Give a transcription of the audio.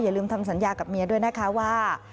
ลืมทำสัญญากับเมียด้วยนะคะว่า